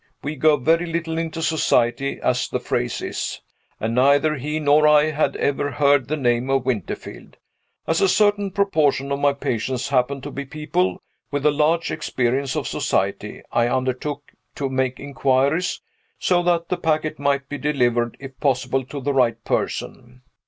We go very little into society, as the phrase is; and neither he nor I had ever heard the name of Winterfield. As a certain proportion of my patients happen to be people with a large experience of society, I undertook to make inquiries, so that the packet might be delivered, if possible, to the right person.